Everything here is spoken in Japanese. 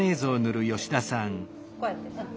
こうやって。